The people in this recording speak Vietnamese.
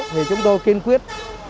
thì chúng tôi kiên quyết